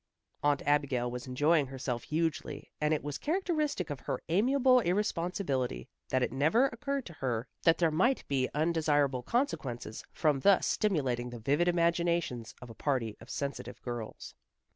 Aunt Abigail was enjoying herself hugely, and it was characteristic of her amiable irresponsibility that it never occurred to her that there might be undesirable consequences, from thus stimulating the vivid imaginations of a party of sensitive girls.